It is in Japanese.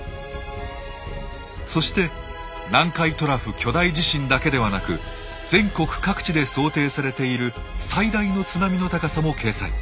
そして南海トラフ巨大地震だけではなく全国各地で想定されている最大の津波の高さも掲載。